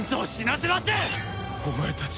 お前たち。